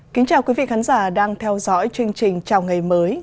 kính chào quý vị khán giả đang theo dõi chương trình chào ngày mới